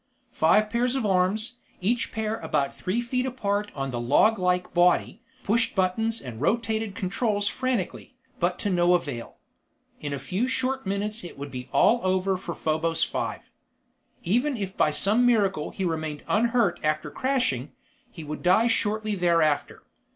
Five pairs of arms, each pair about three feet apart on the loglike body, pushed buttons and rotated controls frantically, but to no avail. In a few short minutes it would all be over for Probos Five. Even if by some miracle he remained unhurt after crashing, he would die shortly thereafter.